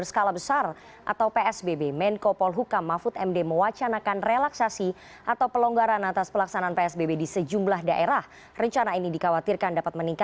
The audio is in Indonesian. selamat malam bipana